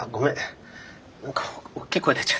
何か大きい声出ちゃった。